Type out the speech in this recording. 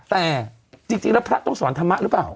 แต่จริงแล้วพระต้องสอนธรรมะหรือเปล่า